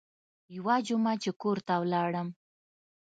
يوه جمعه چې کور ته ولاړم.